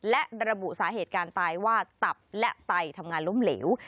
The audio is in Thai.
และระบุสาเหตุการตายว่าตับและไตทำงานล้มเหลว